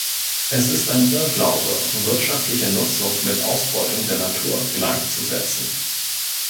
Es ist ein Irrglaube, wirtschaftliche Nutzung mit Ausbeutung der Natur gleichzusetzen.